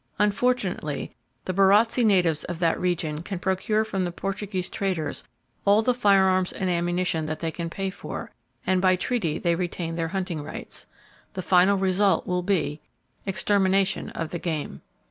Unfortunately the Barotse natives of that region can procure from the Portuguese traders all the firearms and ammunition that they can pay for, and by treaty they retain their hunting rights. The final result will be—extermination of the game.